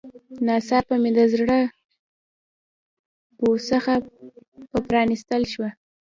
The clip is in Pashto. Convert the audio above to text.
ناڅاپه مې د زړه بوخڅه په پرانيستل شوه.